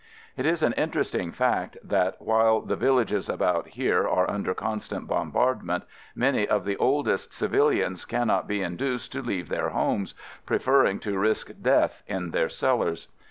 It is an interesting fact that while the villages about here are under constant bombardment many of the oldest civil FIELD SERVICE 131 ians cannot be induced to leave their homes, preferring to risk death in their cellars.